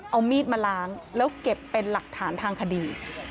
เอามีดมาล้างแล้วเก็บเป็นหลักฐานทางคดี